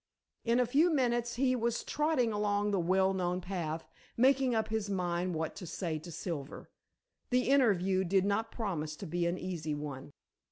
In a few minutes he was trotting along the well known path making up his mind what to say to Silver. The interview did not promise to be an easy one.